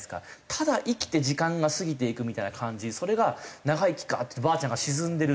「ただ生きて時間が過ぎていくみたいな感じそれが長生きか」って言ってばあちゃんが沈んでるのを。